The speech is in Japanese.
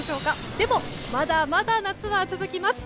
でも、まだまだ夏は続きます。